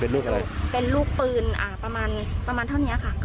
เป็นลูกปืนประมาณเท่านี้ค่ะ